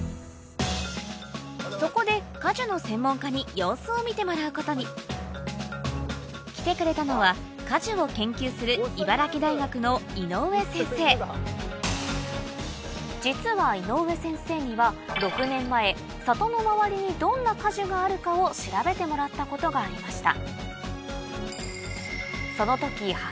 そこで果樹の来てくれたのは果樹を研究する実は井上先生には６年前里の周りにどんな果樹があるかを調べてもらったことがありました